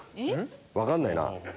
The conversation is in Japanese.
分かんないな。